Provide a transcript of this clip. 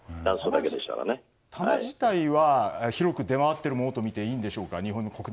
弾自体は広く出回っているものとみていいんでしょうか。